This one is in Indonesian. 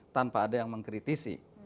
tanpa ada yang mengkritisi